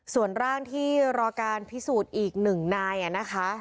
ส่วนร่างที่รอการพิสูจน์อีกหนึ่งนายนะคะ